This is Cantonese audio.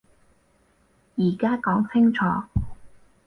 而家講清楚